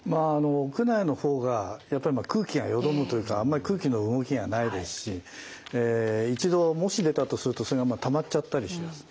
屋内の方がやっぱり空気がよどむというかあんまり空気の動きがないですし一度もし出たとするとそれがたまっちゃったりしやすい。